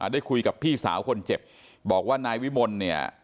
ได้คุยกับพี่สาวคนเจ็บบอกว่านายวิมลเนี่ย